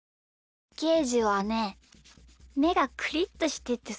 ゲージはねめがクリッとしててさ。